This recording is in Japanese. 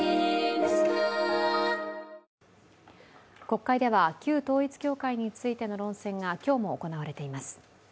国会では旧統一教会についての論戦が今日も行われています。